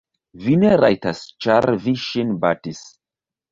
Vi ne rajtas, ĉar vi ŝin batis.